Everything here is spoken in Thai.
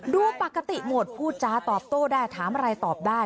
ดูปกติหมดพูดจาตอบโต้ได้ถามอะไรตอบได้